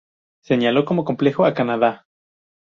Señaló como ejemplo a Canadá.